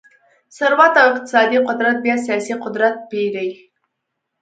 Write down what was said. ثروت او اقتصادي قدرت بیا سیاسي قدرت پېري.